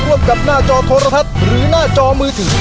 ร่วมกับหน้าจอโทรทัศน์หรือหน้าจอมือถือ